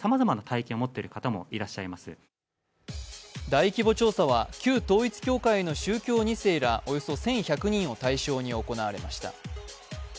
大規模調査は旧統一教会の宗教２世らおよそ１１００人を対象に行われました。